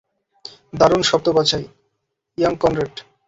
দারুণ শব্দ বাছাই, ইয়াং কনরেড।